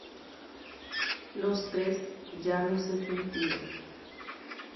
Mbohapyve ndaje noñeñanduvéi.